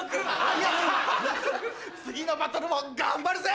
次のバトルも頑張るぜ！